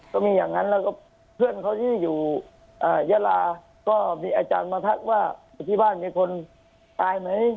ก็มีอย่างนั้นแล้วก็เพื่อนเขาที่อยู่ยาลาก็มีอาจารย์มาทักว่าที่บ้านมีคนตายไหม